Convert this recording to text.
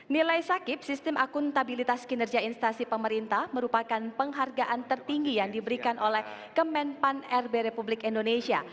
nilai sakit sistem akuntabilitas kinerja instasi pemerintah merupakan penghargaan tertinggi yang diberikan oleh kemenpan rb republik indonesia